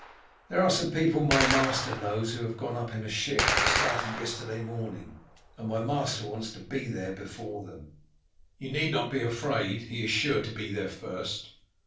"There are some people my master knows who have gone up in a ship that started yesterday morning, and my master wants to be there before them." "You need not be afraid, he is sure to be there first.